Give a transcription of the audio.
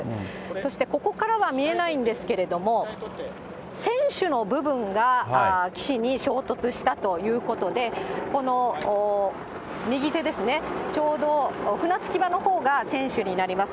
そしてここからは見えないんですけれども、船首の部分が岸に衝突したということで、右手ですね、ちょうど船着き場のほうが船首になります。